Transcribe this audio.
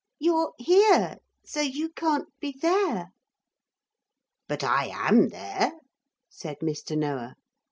'You're here. So you can't be there.' 'But I am there,' said Mr. Noah.